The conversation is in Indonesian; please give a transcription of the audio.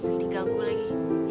nanti ganggu lagi